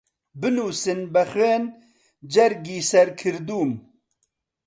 بنووسن بە خوێن جەرگی سەر کردووم